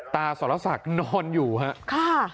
ตาสรษักนอนอยู่ครับ